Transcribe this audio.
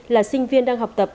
là sinh viên đang học tập